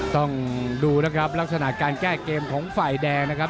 ต้องดูนะครับลักษณะการแก้เกมของฝ่ายแดงนะครับ